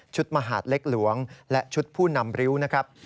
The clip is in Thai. มหาดเล็กหลวงและชุดผู้นำริ้วนะครับ